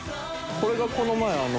これがこの前。